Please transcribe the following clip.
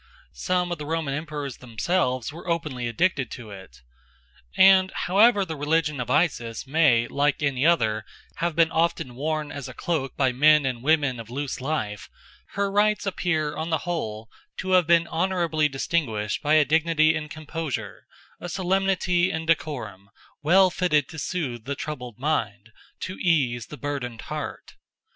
Some of the Roman emperors themselves were openly addicted to it. And however the religion of Isis may, like any other, have been often worn as a cloak by men and women of loose life, her rites appear on the whole to have been honourably distinguished by a dignity and composure, a solemnity and decorum, well fitted to soothe the troubled mind, to ease the burdened heart.